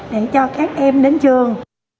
để cho các em đến trường